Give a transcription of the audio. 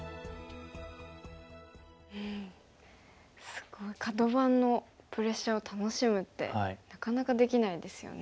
すごいカド番のプレッシャーを楽しむってなかなかできないですよね。